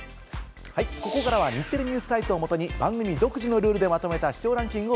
ここからは日テレＮＥＷＳサイトをもとに番組独自のルールでまとめた視聴ランキングを